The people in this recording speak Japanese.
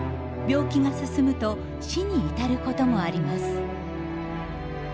病気が進むと死に至ることもあります。